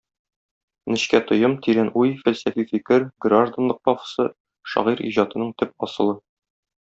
Нечкә тоем, тирән уй, фәлсәфи фикер, гражданлык пафосы - шагыйрь иҗатының төп асылы.